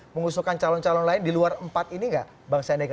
mengusulkan calon calon lain di luar empat ini gak bang sandika